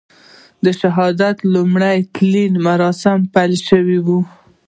د شهادت لومړي تلین مراسیم پیل شوي و.